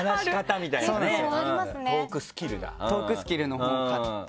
トークスキルの本を買って。